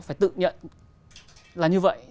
phải tự nhận là như vậy